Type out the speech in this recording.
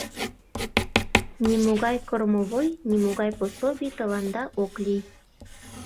Нимогай кормовой, нимогай пособий тыланда ок лий!